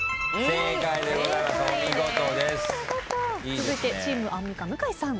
続いてチームアンミカ向井さん。